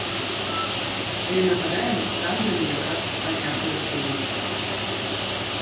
Але, нагадаем, там яны як раз працягваюць дзейнічаць.